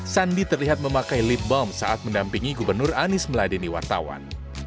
sandi terlihat memakai lip balm saat mendampingi gubernur anies meladini wartawan